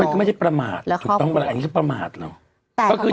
เพราะมันก็ไม่ได้ประมาทถูกต้องกันแหละอันนี้ก็ประมาทเหรอ